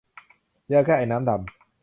ยาแก้ไอน้ำดำ